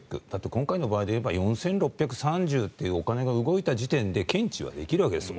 今回の場合で言えば４６３０というお金が動いた時点で検知はできるわけです。